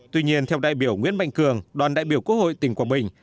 tuy nhiên theo đại biểu nguyễn mạnh cường đoàn đại biểu quốc hội tỉnh quảng bình